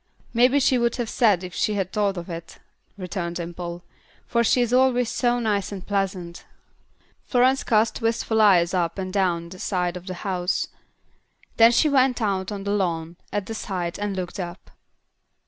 '" "Maybe she would have said that if she had thought of it," returned Dimple, "for she is always so nice and pleasant." Florence cast wistful eyes up and down the side of the house; then she went out on the lawn, at the side, and looked up.